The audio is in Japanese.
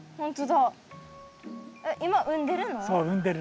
そう産んでるの。